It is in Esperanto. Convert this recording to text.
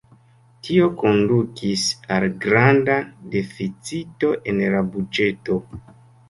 Tio kondukis al granda deficito en la buĝeto.